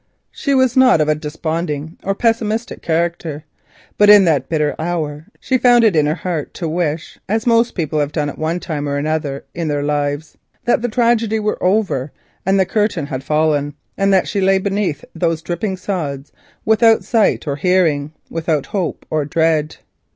Ida was not of a desponding or pessimistic character, but in that bitter hour she found it in her heart, as most people have at one time or another in their lives, to wish the tragedy over and the curtain down, and that she lay beneath those dripping sods without sight or hearing, without hope or dread.